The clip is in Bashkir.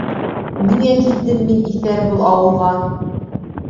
Ниңә килдем мин, иҫәр, был ауылға?